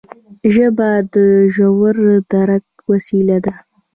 ژبه د ژور درک وسیله ده